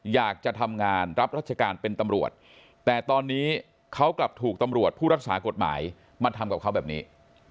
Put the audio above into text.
อยากจะทำงานรับรัชการเป็นตำรวจแต่ตอนนี้เขากลับถูกตำรวจผู้รักษากฎหมายมาทำกับเขาแบบนี้